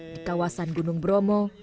di kawasan gunung bromo